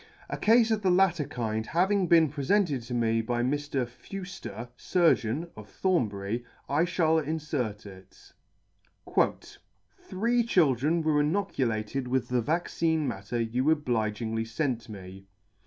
A cafe of the latter kind having been preferred to me by Mr. Fewfter, Surgeon, of Thornbury, I fhall inlert it. " Three children were inoculated with the vaccine matter you obligingly fent me.